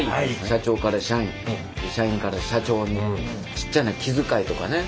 社長から社員社員から社長にちっちゃな気遣いとかね